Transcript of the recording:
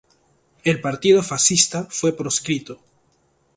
El partido fascista fue proscrito.